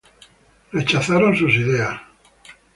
Sus ideas fueron rechazadas.